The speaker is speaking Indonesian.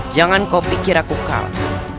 jangan kau pikir aku kaum